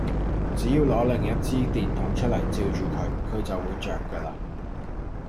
只要攞另外一支電筒出嚟，照住佢，佢就會著架喇